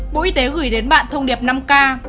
bộ y tế gửi đến bạn thông điệp năm k